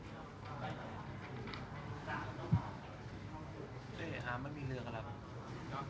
สวัสดีครับ